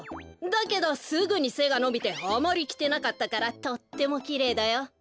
だけどすぐにせがのびてあまりきてなかったからとってもきれいだよ。